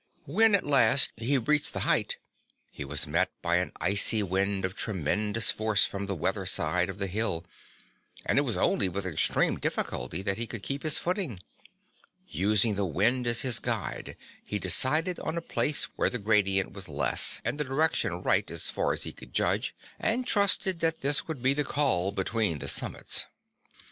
When at last he reached the height he was met by an icy wind of tremendous force from the weather side of the hill and it was only with extreme difficulty that he could keep his footing. Using the wind as his guide he decided on a place where the gradient was less and the direction right as far as he could judge and trusted that this would be the col between the summits.